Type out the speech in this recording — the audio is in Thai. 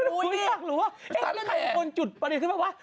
หรือว่าเอ๊ะแล้วก็มีคนจุดประเด็นขึ้นมาว่า